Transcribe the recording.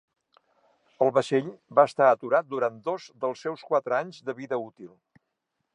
El vaixell va estar aturat durant dos dels seus quatre anys de vida útil.